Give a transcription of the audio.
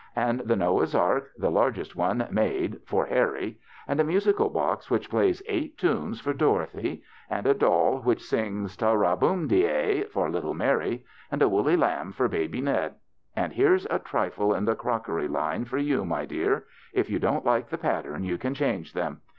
And the Noah's ark, the larg est one made, for Harry ; and a musical box, which plays eight tunes, for Dorothy ; and a doll which sings ' Ta ra boom de ay ' for lit tle Mary ; and a woolly lamb for baby Ned. And here's a trifle in the crockery line for you, my dear. If you don't like the pattern you can change them.